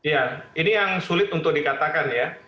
ya ini yang sulit untuk dikatakan ya